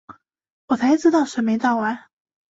我才知道水没倒完